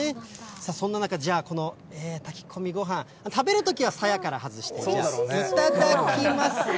そんな中、じゃあ、きょうこの炊き込みごはん食べるときはさやから外して、じゃあ、頂きますね。